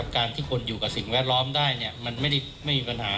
การที่คนอยู่กับสิ่งแวดล้อมได้มันไม่มีปัญหา